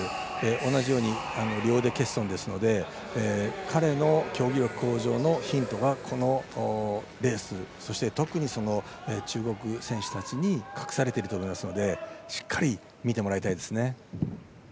同じように両腕欠損ですので彼の競技力向上のヒントがこのレースそして特に中国選手たちに隠されていると思いますのでしっかり見てもらいたいですね。